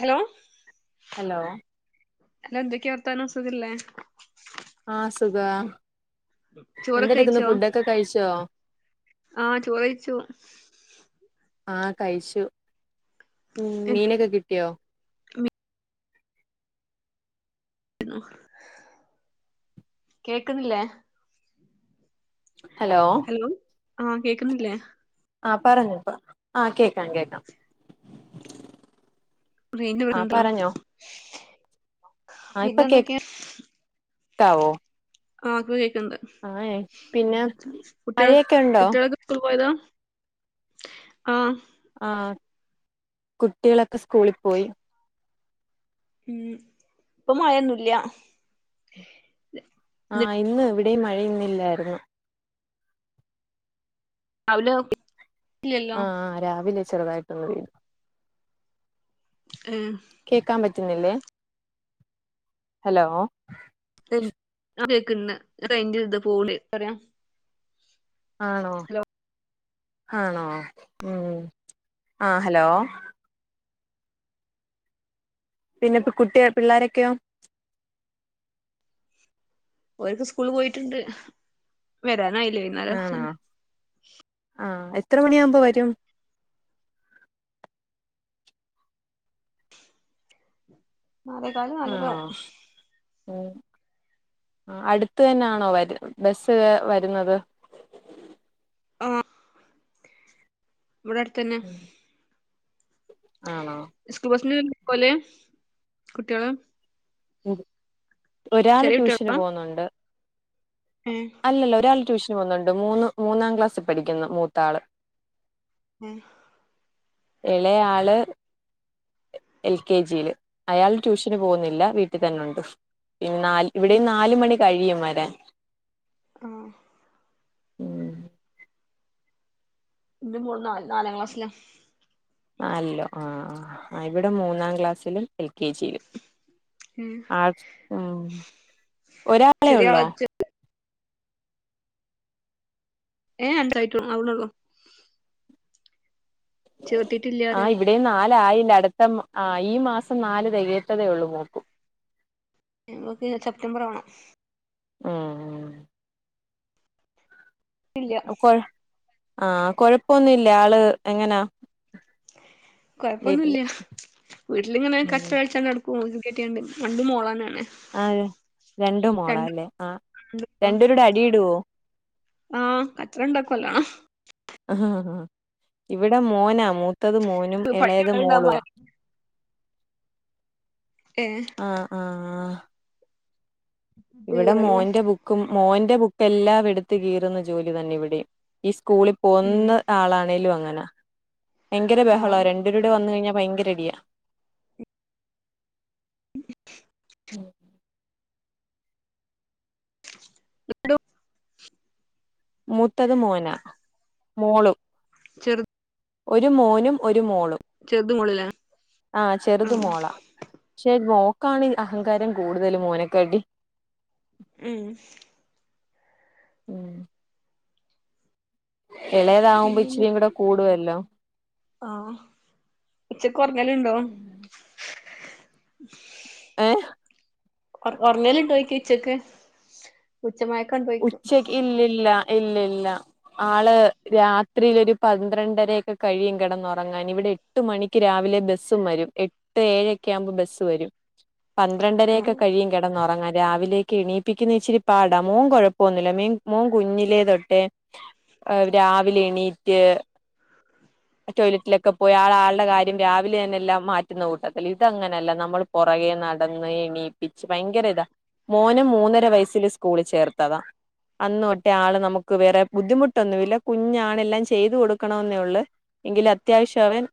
Hello hello അല്ല എന്തൊകെയവർതാനം സുഖല്ലേ ആ സുഖ ചോറൊക്കെ എന്റെടക്കന്ന് ഫുഡൊക്കെ കഴിച്ചോ? ആഹ ചോറ് കഴിച്ചു ആഹ കഴിച്ചു ഉം എന്ത് മീനൊക്കെ കിട്ടിയോ കേൾക്കുന്നില്ലേ ഹലോ ഹലോ ആഹ് കേക്കുന്നില്ലേ ആഹ പറഞ്ഞിപ്പ ആഹ കേക്കാം കേക്കാം റെയ്ഞ്ച് ആഹ് കുറവുണ്ടോ പറഞ്ഞോ ആഹ് ഇപ്പൊ കേക്ക് ട്ടാവോ ആഹ് ഇപ്പ കേക്കണ്ട് ആഹ് ഏഹ് പിന്നെ മഴയൊക്കെ ഒണ്ടോ ഇക്കള് പോയതാ ആഹ് ആഹ് കുട്ടികളൊക്കെ സ്കൂളി പോയി ഉം ഇപ്പൊ മഴയൊന്നുല്ല്യാ ആഹ് ഇന്ന് ഇവിടെയും മഴ ഇന്നില്ലായിര്ന്ന് രാവിലെ നോക്കി ആഹ് ആഹ് രാവിലെ ചെറുതായിട്ടൊന്ന് വീണ്‌ ഏഹ് കേക്കാൻ പറ്റുന്നില്ലേ ഹലോ [inaudible] ഫൂളി പറയാം ആണോ ആണോ ഉം ആഹ് ഹലോ പിന്നെ ഇപ്പ കുട്ടിയ പിള്ളാരക്കെയോ ഒരൊക്കെ സ്കൂളി പോയിട്ടുണ്ട് വരാനായില്ലേ വൈന്നേരം ആണോ ആഹ് എത്ര മണിയാവുമ്പം വരും നാലേകാല് ആണോ നാലരയാവും ഉം ആഹ് അടുത്തന്നാണോ വര് ബസ്സ് വരുന്നത് ഇവിടടുത്തന്നെ ആണോ ഉസ്കൂൾ ബസ്സിനെ പൊലെ കുട്ടികള് ഒരാൾ ചെറിയ ട്യൂഷന് കുട്ടികളാ പോന്നൊണ്ട് ഏഹ് അല്ലല്ല ഒരാള് ട്യൂഷന് പോന്നണ്ട് മൂന്ന് മൂന്നാം ക്ലാസ്സി പഠിക്ക്ന്ന് മൂത്താള് ഉം എളേയാള് എൽ കെ ജിയില് അയാൾ ട്യൂഷന് പോന്നില്ല വീട്ടിൽ തന്നൊണ്ട് ഇന്നാൽ ഇവിടെയും നാല് മണി കഴിയും വരാൻ ആഹ് ഉം എന്റെ മോൾ നാൽ നാലാം ക്ലാസ്സിലാ അല്ലോ ആഹ് -ആഹ് ഇവിടെ മൂന്നാം ക്ലാസ്സിലും എൽ കെ ജിയിലും ഉം ആഴ്ച്ച് ഉംഉ ഒരാളെ ചെറിയ ആളെ ഒള്ളോ ചെ ഏഹ് ആന്ത്രയിറ്റു അവിളുള്ളൂ ചേർത്തിട്ടില്ല പറയാ ആഹ് ഇവിടെയും നാലായില്ല അടുത്ത ആഹ് ഈ മാസം നാല് തികയത്തതേ ഉള്ളൂ മോൾക്കും അവക്ക് സെപ്റ്റംബർ ആവണം ആ ആ ഇല്ല അക്കൊഴ് ആഹ് കൊഴപ്പൊന്നു ഇല്ല ആള് എങ്ങനാ കൊഴപ്പൊന്നും വീട്ടില് ഇല്ല്യാ വീട്ടിലിങ്ങനെ കച്ചകളിച്ചാണ്ടട് [unintelligible] രണ്ട് മോളു തന്നെ ആരാ രണ്ടു മോളാല്ലേ ആഹ് രണ്ടൂരുടെ അടിയിടുവോ ആഹ് കച്ചറ ഉണ്ടാക്കുവല്ലാ ഇവിടെ മോനാ മൂ ത്തത് മോനും ഇളയത് പഠിക്കണ്ടാവുമ്പോ മോളുവാ ഏഹ് ആഹ് ആഹ് ഇവിടെ കീറലും മോന്റെ ബു ക്കും മോന്റെ ബുക്കെല്ലാം എടുത്ത് കീറുന്ന ജോലി തന്നെ ഇവിടെയും ഈ സ്കൂളി ഉം ഒന്ന് ആളാണേലും അങ്ങനാ ഭയങ്കര ബഹളാ ആഹ് രണ്ടൂരൂടെ വന്ന് കഴിഞ്ഞാ ഭയങ്കരടിയാ ലടു [unintelligible] മൂത്തത് മോനാ മോളു. ചെറുത്- ഒരു മോനും ഒരു മോളും ചെറുത് മോളിലേ ആഹ് ചെറുത് മോൻ പക്ഷേ മോൾക്കാണ് അഹങ്കാരം കൂടുതൽ മോനെക്കാട്ടും. ഉം.. ഉം ഇളയതാവുമ്പോ പിന്നെന്താ ഇച്ചിരി കൂടെ കൂടുവല്ലോ- ആഹ് ഉച്ചയ്ക്ക് ഉറങ്ങലുണ്ടോ? ഏഹ് ഉറങ്ങൽ ഉണ്ടോ എന്ന് ചോദിക്കുവാ ഉച്ചയ്ക്ക് ഉച്ചമയക്കം- ഉണ്ടോയ്ക്ക ഉച്ചയ്ക്ക് ഇല്ലല്ല ഇല്ല ഇല്ല. ആള് രാത്രിയിൽ ഒരു പന്ത്രണ്ടരൊക്കെ കഴിയും കിടന്നുറങ്ങാൻ ഇവിടെ- എട്ട് മണിക്ക് രാവിലെ ബസ്സും വരും എട്ട് ഏഴക്കെ ആവുമ്പോ ബസ് വരും. ഉം പന്ത്രണ്ടരൊക്കെ കഴിയും കിടന്നുറങ്ങാൻ രാവിലേക്ക് എണീയിപ്പിക്കുന്ന ഇച്ചിരി പാടാ മോന് കൊഴപ്പം- പോന്നില്ല മീൻ മോൻ കുഞ്ഞിലേ തൊട്ടേ രാവിലെ എണീറ്റ്- [unintelligible] ടോയ്ലറ്റിലൊക്കെ പോയ ആള ആളുടെ കാര്യം രാവിലെ തന്നെ എല്ലാം മാറ്റുന്ന കൂട്ടത്തില്ല ഇതങ്ങനെയല്ല നമ്മൾ- പുറകെ നടന്ന് എണീപ്പിച്ച് ഭയങ്കര ഇതാ മോന് മൂന്നര വയസ്സിൽ സ്കൂളിൽ ചേർ. തഥാ- അന്ന് തൊട്ടേ ആള് നമുക്ക് വേറെ ബുദ്ധിമുട്ടൊന്നുമല്ല കുഞ്ഞാണെല്ലാം ചെയ്ത് കൊടുക്കണെന്നേ ഉള്ളു. എങ്കിലും അത്യാവശ്യം അവൻ-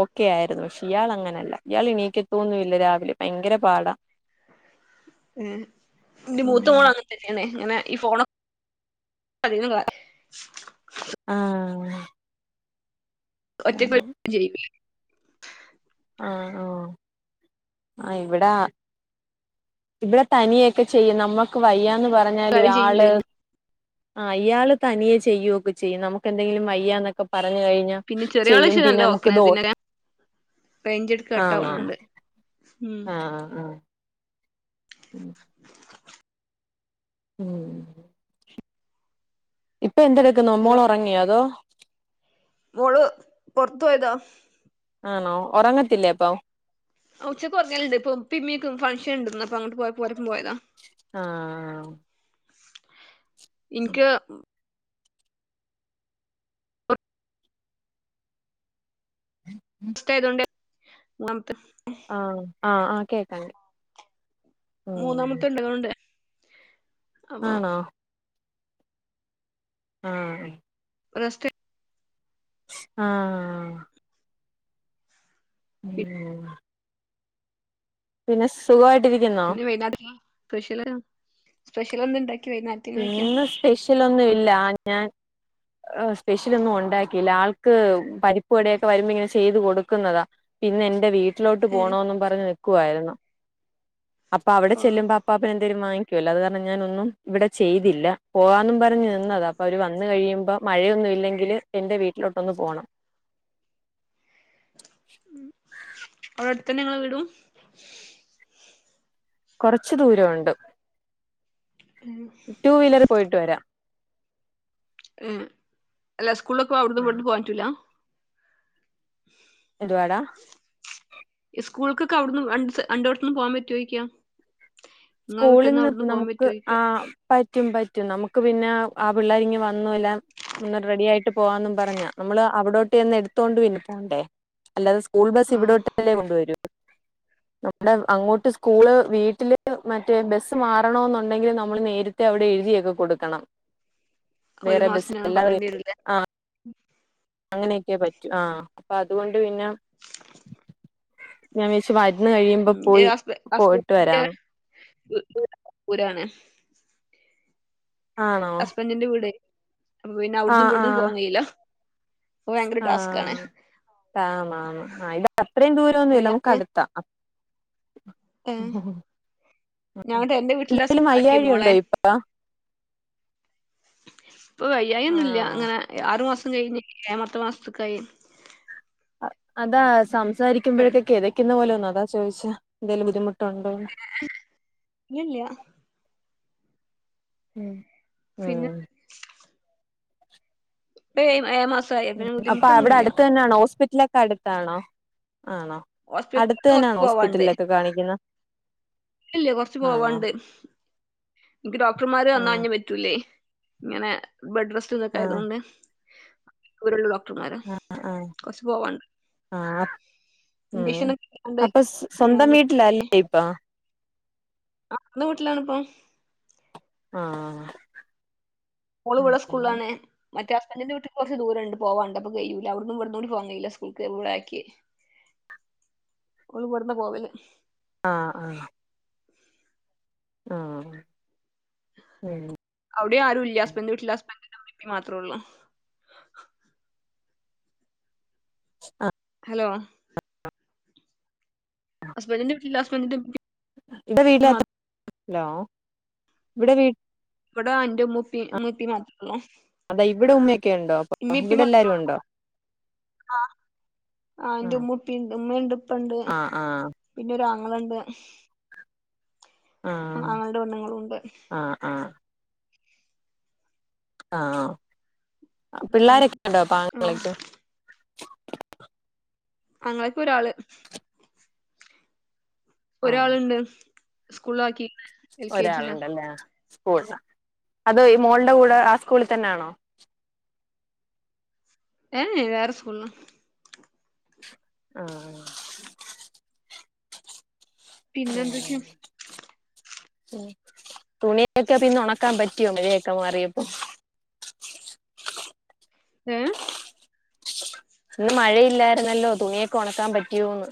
ഓക്കേ ആയിരുന്നു പക്ഷേ ഇയാൾ അങ്ങനെയല്ല ഇയാൾ എനിക്കത് ഒന്നുമില്ല രാവിലെ ഭയങ്കര പാടാ- എന്റെ മൂത്ത മോള അങ്ങനെ തന്നെയണേ ഇങ്ങനെ ഈ ഫോണ് അധി- ആഹ് ഒറ്റയ്ക്ക് ആഹ് അ [unintelligible] ആന്നോ ആഹ് ഇവിടാ ഇവിടെ തനിയൊക്കെ ചെയ്യും നമ്മുക്ക് വയ്യന്ന് പറഞ്ഞാലും കാര്യം ആള്- ചെയ്യൂലായിരുന്നു ആഹ അയാള് തനിയെ ചെയ്യുവൊക്കെ ചെയ്യും നമുക്ക് എന്തെങ്കിലും വയ്യന്നൊക്കെ പറഞ്ഞു കഴിഞ്ഞാൽ- പിന്നെ ചെറിയള [unintelligible] റെയിഞ്ച് കട്ടാവുന്നുണ്ട് ആഹ് ആഹ്. ഉ [unintelligible] [unintelligible] ഉം... ഇപ്പോ എന്തെടുക്കുന്നു ഹലോ മോള് ഉറങ്ങിയോ അതോ- മോള് പൊറത്ത് പോയതാ ആണോ ഒറങ്ങത്തില്ലേ അപ്പോ? ആഹ് ഉച്ചക്കൊറങ്ങല്ണ്ട് ഇപ്പം ഉപ്പേം ഉമ്മിയൊക്കെ ഫംഗ്ഷന്ണ്ട് ഇന്നപ്പം അങ്ങോട്ട് പോയപ്പം ഓരൊപ്പം പോയതാ ആഹ് ഇൻക്ക് ഉ ഉം [unintelligible] ഇഷ്ട്ടായതോണ്ട് [unintelligible] ആഹ് ആഹ് ആഹ് കേക്കാണ്ട് മൂന്നാമത്തെ ഇണ്ടായെ കൊണ്ടെ ആണോ? ആഹ് റെസ്റ്റെട് ആഹ് [unintelligible] പിന്നെ സുഖവായിട്ട് ഇരിക്കുന്നു പിന്നെ വൈനാരം സ്പെഷ്യല് സ്പെഷ്യൽ എന്താ ഇണ്ടാക്കിയെ വൈനേരം ഇന്ന് സ്പെഷ്യലൊന്നും ഇല്ല ഞാൻ ആഹ് സ്പെഷ്യലൊന്നും ഒണ്ടാക്കിയില്ല ആൾക്ക് പരിപ്പ് വടയൊക്കെ വരുമ്പോ ഇങ്ങനെ ചെയ്തു കൊടുക്കുന്നതാ ഇന്ന് എന്റെ വീട്ടിലോട്ട് ഏഹ് പോണൊന്ന് പറഞ്ഞ് നിൽക്കുവായിരുന്നു അപ്പൊ അവിടെ ഓ ചെല്ലുമ്പോ അപാപ്പന് എന്തേലും വാങ്ങിക്കുവല്ലോ അത് കാരണം ഞാനൊന്നും ഇവിടെ ചെയ്തില്ല പോവാന്നും പറഞ്ഞ് നിന്നതാ അപ്പൊ അവര് വന്ന് കഴിയുമ്പോ മഴയൊന്നും ഇല്ലെങ്കില് എന്റെ വീട്ടിലോട്ടൊന്ന് പോണം ഉം അവിടെ അടുത്തെന്നെയാ ഇങ്ങളെ വീടും കുറച്ച് ദൂരവൊണ്ട് ഏഹ് ടൂ വീലറിൽ പോയിട്ട് വരാം ഏഹ് അല്ല സ്കൂളിലപ്പോ അവിടന്ന് പോവാൻ വേണ്ടി പറ്റുല്ലാ എന്തുവാടാ? സ്കൂൾക്കൊക്കെ അവിടന്ന് [unintelligible] അൻ്റെ അടുത്തുന്ന് പോവാൻ പറ്റുവോ ചോയിക്കാ സ്കൂളിന്ന് ഇപ്പ നമുക്ക് ആഹ് പറ്റും പറ്റും നമുക്ക് പിന്നെ ആഹ് പിള്ളേരിങ്ങ് വന്നു എല്ലാം ഒന്ന് റെഡി ആയിട്ട് പോവാന്നും പറഞ്ഞാ നമ്മള് അവിടോട്ട് ചെന്ന് എടുത്തോണ്ട് പിന്നെ പോണ്ടേ അല്ലാതെ സ്കൂൾ ബസ് ആഹ് ഇവിടോട്ടല്ലേ കൊണ്ടുവരൂ നമ്മുടെ അങ്ങോട്ട് സ്കൂള് വീട്ടില് മറ്റേ ബസ്സ് മാറണോന്ന് ഒണ്ടെങ്കിലില് നമ്മൾ നേരത്തെ അവിടെ എഴുതിയൊക്കെ കൊടുക്കണം ഒരു വേറെ ബസ്സ് മാസത്തിനങ്ങനെ എല്ലാം നൽ [unintelligible] അങ്ങനെയൊക്കെ പറ്റു ആഹ് അപ്പൊ അതുകൊണ്ട് പിന്നെ ഉ ഞാൻ വിചാരിച്ച് മരുന്ന് കഴിയുമ്പോ ഇന്റെ പോയി ഹസ്ബ പോയിട്ട് ഹസ്ബന്റിന്റെ വരാന്ന് [unintelligible] ദൂരാണ് ആണോ ഹസ്ബൻഡിന്റെ വീടെ അപ്പൊ പിന്നെ ആ അവിടന്നും ആ ഇവിടുന്നും പോകാൻ കഴിയല്ലോ അപ്പൊ ഭയങ്കര ടാസ്ക് ആണ് ആന്ന് ആന്ന് ആഹ് ഇത് അത്രയും ദൂരൊന്നുല്ല അതുകൊണ്ട് നമുക്ക് ഞാന് അടുത്താ ഉ ഞാട്ട് എന്റെ വീട്ടിലാ സ്കൂളാക്കി വയ്യാഴി മോളെ ഉണ്ടോ ഇപ്പ ഇപ്പൊ വയ്യായി ഒന്നുല്ല ആഹ് ഇങ്ങനെ ആറ് മാസം കഴിഞ് ഏയാമത്ത മാസത്ത്ക്കായി അ അതാ സംസാരിക്കുമ്പോഴേക്ക് ക്കെതയ്ക്കുന്ന പോലോന്ന് അതാ ചോയിച്ചേ എന്തേലും ബുദ്ധിമുട്ടുണ്ടോന്ന് ഇല്ലല്ല്യ ഉം പിന്നെ ആഹ് ടേഴ് ഏഴാ മാസം ഉം അപ്പൊ അവിടെ അടുത്ത് തന്നെ ആണോ ഹോസ്പിറ്റലൊക്കെ അടുത്താണോ ആണോ ഹോസ്പിറ്റലിക്ക് കൊറച്ച് അടുത്ത്തന്നാണോ ഹോസ്പിറ്റലിലൊക്കെ കാണിക്കുന്നെ ഇല്ലേ കൊർച്ച് ആണോ പോവാണ്ട് ഇൻക്ക് ഡോക്ടർമാര് വന്നാ ആഹ് ഇഞ് പറ്റ് റ്റൂലെയ് ഇങ്ങനെ ബെഡ്റെസ്റ്റും ഇതൊക്കെ ആഹ് ആയതോണ്ട് ദൂരള്ള ഡോക്ടർമാരാ ആഹ് കൊർച്ച് പോവാണ്ട് ആഹ് ഉം ഇഞ്ചക്ഷൻ ഒക്കെ എടുക്കാണ്ട് അപ്പൊ സ് ഇങ്ങനെ സ്വന്തം വീട്ടിലാ നിക്കല്ലേ. അല്ലേ ഇപ്പാ ആഹ് സ്വന്തം വീട്ടിലാണ്പ്പൊ ആഹ് മോള് ഇവ്ടെ ആഹ് സ്കൂൾളാണ് മറ്റേ ഹസ്ബന്റിന്റെ വീട്ട്ക്ക് കൊർച്ച് ദൂരണ്ട് പോവാണ്ട് അപ്പ കെയ്യൂല അവടന്നും ഇവട്ന്നൂടി പോവാൻ കയ്യൂലാ സ്‌കൂൾക്ക് അപ്പൊ വ്ടെ ആക്കി ആ ഓള് ഇവിട്ന്നാ പോവല് ആഹ് ആഹ് ആഹ് ഉം അവിടിം ആരും ഇല്ല ഹസ്ബൻഡ് വീട്ട്ല് ഹസ്ബെന്റിന്റെ ഉഇമ്മീം ഇപ്പി മാത്രെള്ളൂ ആഹ് യോ ഹസ്ബന്റിന്റെ വീട്ടില് ഹസ്ബൻന്റിന്റെ മ്മീം ന്റെ വീട്ടിലാച്ച ഹലോ ഇവിടെ വീ ഇവടെ എന്റെ ഉമ്മുപ്പി മ്മുപ്പി മാത്രൊള്ളൂ അതാ ഇവ്വിടെ ഉമ്മയൊക്കെയുണ്ടോ അപ്പൊ ഇവിടെ എല്ലാരും ഉണ്ടോ ആഹ് ആഹ് ന്റു ഉമ്മുപ്പിണ്ട് ഉമ്മണ്ട് ഇപ്പണ്ട് ആഹ് ആഹ് പിന്നെ ഒരു ആങ്ങളണ്ട് ആഹ് ആങ്ങളന്റെ പെണ്ണ്ങ്ങളുണ്ട് ആഹ് ആഹ് ആഹ് പിന്നെ പിള്ളാരൊക്കെ ഉണ്ടോ അപ്പൊ ആ ആങ്ങളയ്ക്ക് ആങ്ങളക്ക് ഒരാള് ആഹ് ഒരാള്ണ്ട് സ്കൂൾളാക്കിക്ക്ണ് എൽ കെ ജിലാ സ്കൂൾളാ അത് ഈ മോളിന്റെ കൂടെ ആ സ്കൂളിൽ തന്നാണോ ഏഹേ വേറെ സ്കൂൾളാ ആഹ് ആഹ് ഏ പിന്നെ എന്തൊക്കെയാ [unintelligible] ഉം തുണിയൊക്കെ പിന്നെ ഒണക്കാൻ പറ്റിയോ മയയൊക്കെ മാറിയപ്പോ ഏഹ് ഇന്ന് മഴയില്ലാര്ന്നല്ലോ തുണിയൊക്കെ ഒണക്കാൻ പറ്റിയോന്ന്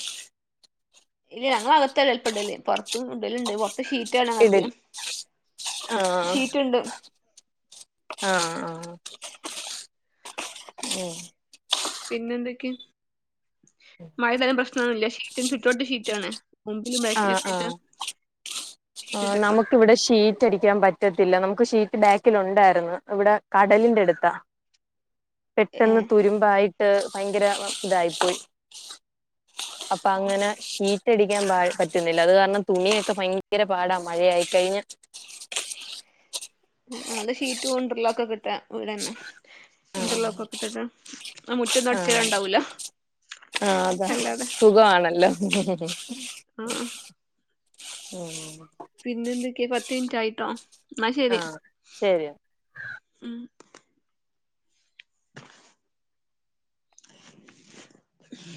ഇല്ല ഞങ്ങളകത്താ ചെൽപ്പം ഇടല് എലപ്പംല്ലേ പൊറത്തും ഇടല്ണ്ട് ഇപ്പൊ ഷീറ്റാണങ്ങക്ക് ഇടൽ ആഹ് ഷീറ്റ്ണ്ട് ആഹ് ആഹ് ഉം പിന്നെ എന്തെക്കെ മഴയ്താലും പ്രശ്നൊന്നുല്ല ഷീറ്റ് ചുറ്റോട് ട്ട് ഷീറ്റാണ് മുമ്പിലും ആഹ് ബാക്കിലൊക്കെ ആയിട്ട് ആഹ് ഷീറ്റ് ആഹ് ഇട്ടട്ടോ നമുക്കിവിടെ ഷീറ്റടിക്കാൻ പ റ്റത്തില്ല നമുക്ക് ഷീറ്റ് ബാക്കിലുണ്ടായിരുന്നു ഇവിടെ കടലിന്റെ എട്ത്താ ഏ പെട്ടെന്ന് തുരുമ്പായിട്ട് ഭയങ്കര ഇതായിപ്പോയി അപ്പ അങ്ങനെ ഹീറ്റടിക്കാൻ പാ പറ്റുന്നില്ല അത് കാരണം തുണിയൊക്കെ ഭയങ്കര പാടാ മഴയായി കഴിഞ്ഞ ഉം ഉം അത്‌ ഷീറ്റ് കൊണ്ടിലാം ഒക്കെ കിട്ടാൻ ഇവിടെന്നെ ആഹ് ഇന്റോർലക് ഒക്ക ഇട്ടിട്ട്, ആഹ് മുറ്റൊന്നും ആഹ് അടിച്ചെരാണ്ടാവൂല ആഹ് അതാ സുഖണല്ലോ, ആ ആ ഉം പിന്നെ ന്തൊക്കെയ പത്ത് മിനിറ്റ് ആയിട്ടോ ന്ന ശരി ആഹ് ശരി മ് [unintelligible]